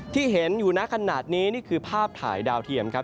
ที่เห็นอยู่นะขนาดนี้นี่คือภาพถ่ายดาวเทียมครับ